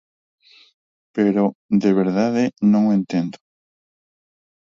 Pero, de verdade, non o entendo.